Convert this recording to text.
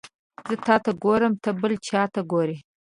زه تاته ګورم ته بل چاته ګوري